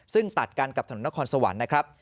ซึ่งตัดกันกับถนนนครสวรรค์นะครับ